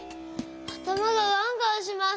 あたまがガンガンします！